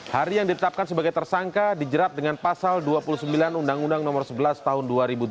hari yang ditetapkan sebagai tersangka dijerat dengan pasal dua puluh sembilan undang undang nomor sebelas tahun dua ribu delapan